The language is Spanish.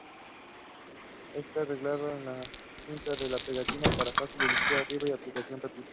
Están arreglados en la cinta de pegatina para fácil elegir-arriba y aplicación rápida.